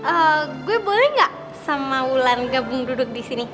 eh gue boleh gak sama ulan gabung duduk disini